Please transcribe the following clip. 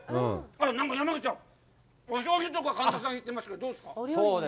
なんか、山口さん、お醤油とか神田さんが言ってますけど、どうですか。